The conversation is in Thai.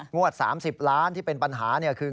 งวด๓๐ล้านบาทที่เป็นปัญหาเนี่ยคือ